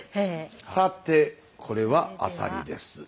さてこれはアサリです。